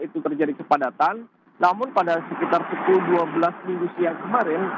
itu terjadi kepadatan namun pada sekitar pukul dua belas minggu siang kemarin